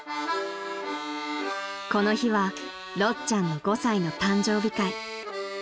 ［この日はろっちゃんの５歳の誕生日会］